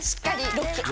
ロック！